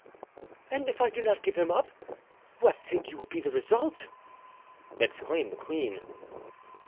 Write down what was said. "And if I do not give him up, what think you will be the result?" exclaimed the queen.